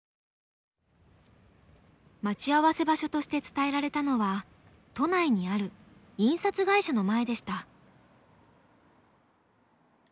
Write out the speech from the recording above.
待ち合わせ場所として伝えられたのは都内にある印刷会社の前でした。